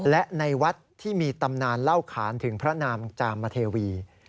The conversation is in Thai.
และในวัดที่มีตำนานเล่าขานถึงพระนามจามเทวี